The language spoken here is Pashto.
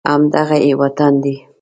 همدغه یې وطن دی